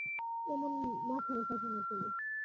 এমন মাথামোটা কেন তুমি?